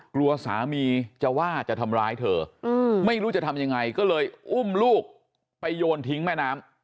กลัวสามีจะว่าจะทำร้ายเธอไม่รู้จะทำยังไงก็เลยอุ้มลูกไปโยนทิ้งแม่น้ำ